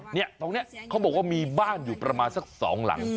เนี่ยตรงนี้เขาบอกว่ามีบ้านอยู่ประมาณสักสองหลัง